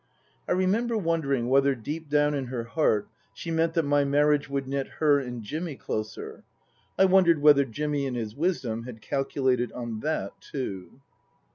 I remember wondering whether deep down in her heart she meant that my marriage would knit her and Jimmy closer ? I wondered whether Jimmy, in his wisdom, had calculated on that, too